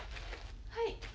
はい。